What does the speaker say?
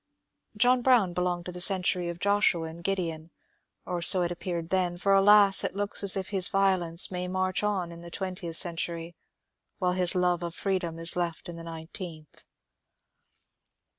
John Brown belonged to the century of Joshua and Gideon ; or so it appeared then, — for alas I it looks as if his violence may march on in the twentieth century while his love of freedom is left in the nineteenth.